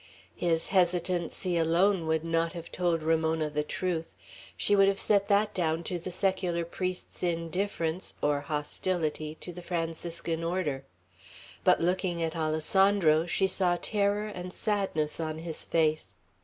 His hesitancy alone would not have told Ramona the truth; she would have set that down to the secular priest's indifference, or hostility, to the Franciscan order; but looking at Alessandro, she saw terror and sadness on his face.